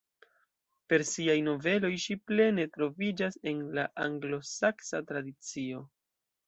Per siaj noveloj ŝi plene troviĝas en la anglosaksa tradicio.